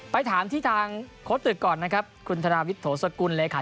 ไปถามที่ทางโค้ดตึกก่อนนะครับคุณธนาวิทโถสกุลเลขา